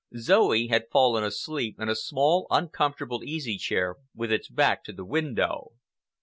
Zoe had fallen asleep in a small, uncomfortable easy chair with its back to the window.